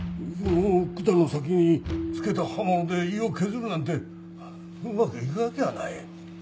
管の先に付けた刃物で胃を削るなんてうまく行くわけがない。